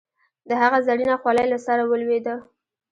د هغه زرينه خولی له سره ولوېده.